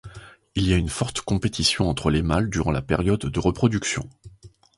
Il y a une forte compétition entre les mâles durant la période de reproduction.